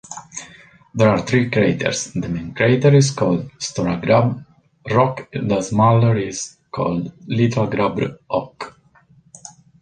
There are three craters, the main crater is called ""Stóra-Gráb""rók, the smaller is called "Litla-Grábr"ók.